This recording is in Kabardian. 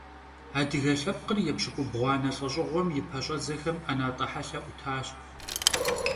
Adıge lhepkhır yêpşık'ubğuane lh'eş'ığuem yi peş'edzexem 'enat'e helhe 'utaş.